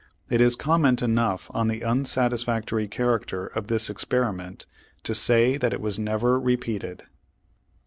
It is comment enough on the unsatisfactory character of this experiment to say that it w^as never repeated.